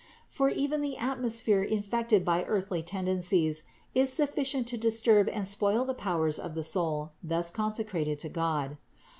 For even the atmosphere infected by earthly tendencies is sufficient to disturb and spoil the powers of the soul thus consecrated to God.